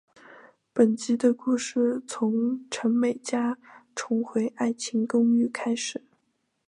本季的故事从陈美嘉重回爱情公寓开始。